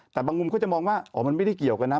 แต่บางมุมก็จะมองว่าอ๋อมันไม่ได้เกี่ยวกันนะ